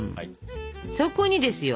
そこにですよ。